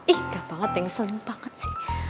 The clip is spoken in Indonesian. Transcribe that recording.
ih gak banget ya ngeselin banget sih